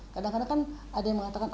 kadang kadang kan ada yang mengatakan